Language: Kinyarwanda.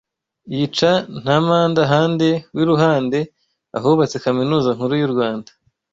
yica na Mpandahande w’i Ruhande ahubatse Kaminuza Nkuru y’u Rwanda